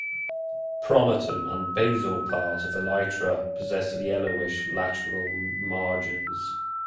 Pronotum and basal parts of elytra possess yellowish lateral margins.